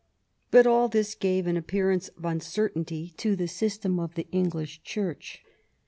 But all this gave an appearance of uncertainty to the system of the English Church.